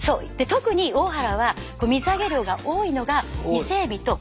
特に大原は水揚げ量が多いのが伊勢エビとタコ。